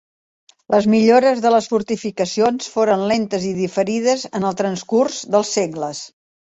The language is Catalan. Les millores de les fortificacions foren lentes i diferides en el transcurs dels segles.